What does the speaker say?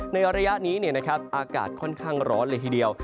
ในระยะนี้อากาศค่อนข้างร้อนเลยทีเดียว